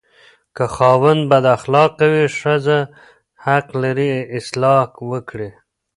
که خاوند بداخلاقه وي، ښځه حق لري اصلاح وکړي.